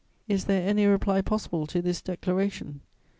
Is there any reply possible to this declaration?